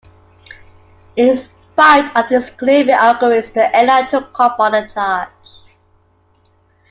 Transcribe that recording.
In spite of these gloomy auguries the airline took off on the charge.